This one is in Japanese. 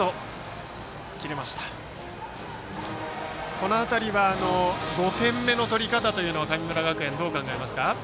この辺り、５点目の取り方神村学園、どう考えますか。